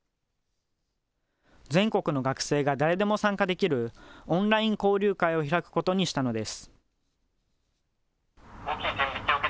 全国の学生が誰でも参加できる、オンライン交流会を開くことにしたのです。